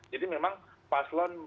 jadi memang paslon